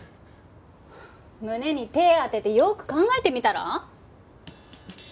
胸に手ぇ当ててよく考えてみたら？